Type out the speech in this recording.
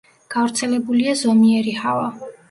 გავრცელებულია ზომიერი ჰავა.